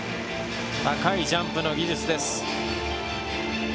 高いジャンプの技術です。